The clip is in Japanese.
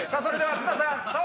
それでは津田さん。